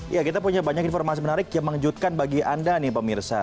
ya kita punya banyak informasi menarik yang mengejutkan bagi anda nih pemirsa